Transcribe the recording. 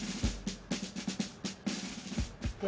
で